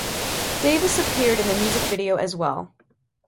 Davis appeared in the music video as well.